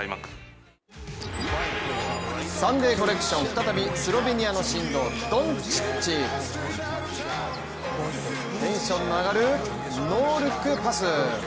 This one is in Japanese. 再びスロベニアの神童、ドンチッチテンションの上がるノールックパス。